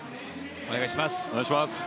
お願いします。